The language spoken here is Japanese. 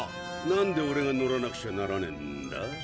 なんでオレが乗らなくちゃならねえんだ？